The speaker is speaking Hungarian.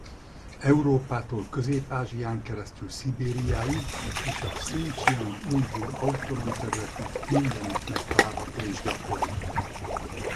Európától Közép-Ázsián keresztül Szibériáig és a Hszincsiang-Ujgur Autonóm Területig mindenütt megtalálható és gyakori.